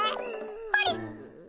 あれ？